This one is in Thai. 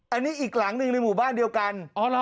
อันนี้อีกหลังหนึ่งในหมู่บ้านเดียวกัน